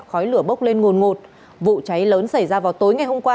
khói lửa bốc lên nguồn ngột vụ cháy lớn xảy ra vào tối ngày hôm qua